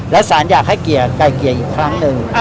แล้วสารอยากให้กล่ายเกียร์อีกครั้งหนึ่ง